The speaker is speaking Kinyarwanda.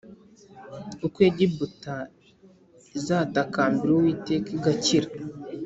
Uko Egiputa izatakambira Uwiteka igakira